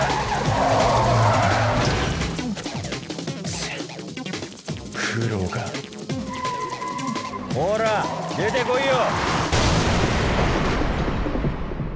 チッ九郎かほら出てこいよ